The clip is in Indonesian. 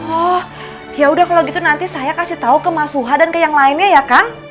oh yaudah kalau gitu nanti saya kasih tau ke mas huha dan ke yang lainnya ya kang